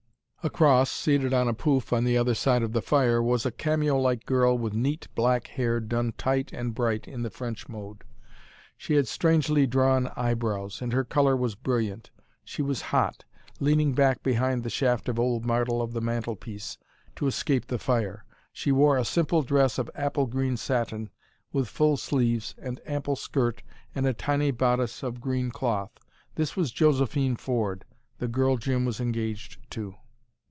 Across, seated on a pouffe on the other side of the fire, was a cameo like girl with neat black hair done tight and bright in the French mode. She had strangely drawn eyebrows, and her colour was brilliant. She was hot, leaning back behind the shaft of old marble of the mantel piece, to escape the fire. She wore a simple dress of apple green satin, with full sleeves and ample skirt and a tiny bodice of green cloth. This was Josephine Ford, the girl Jim was engaged to.